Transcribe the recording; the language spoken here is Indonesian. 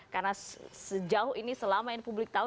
karena sejauh ini selama ini publik tau